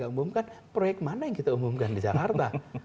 mengumumkan proyek mana yang kita umumkan di jakarta